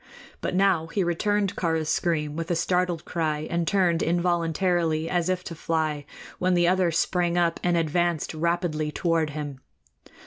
But now he returned Kāra's scream with a startled cry, and turned involuntarily as if to fly, when the other sprang up and advanced rapidly toward him.